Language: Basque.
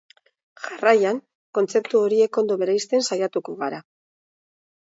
Jarraian kontzeptu horiek ondo bereizten saiatuko gara.